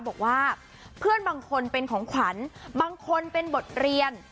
บอกว่าเพื่อนบางคนเป็นของขวัญบางคนเป็นบทเรียน